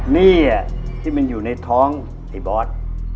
นี่ที่มันอยู่ในท้องไอ้บอส